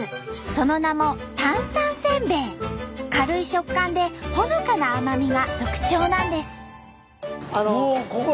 その名も軽い食感でほのかな甘みが特徴なんです。